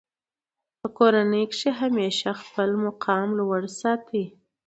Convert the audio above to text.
په کورنۍ کښي همېشه خپل مقام لوړ ساتئ!